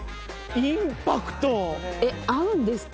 インパクトえっ合うんですか？